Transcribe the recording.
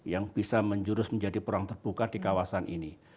yang bisa menjurus menjadi perang terbuka di kawasan ini